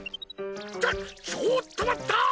ちょちょっと待った！